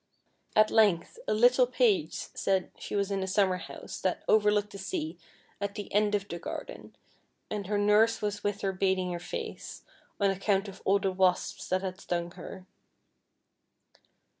At length, a little page said she was in a summer house that overlooked the sea at the end of the garden, and her nurse was with her bathing her face, on account of all the wasps that had stung her.